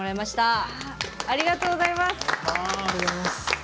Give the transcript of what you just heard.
ありがとうございます。